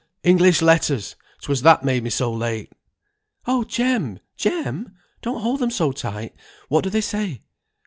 "English letters! 'Twas that made me so late!" "Oh, Jem, Jem! don't hold them so tight! What do they say?"